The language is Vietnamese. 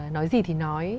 nói gì thì nói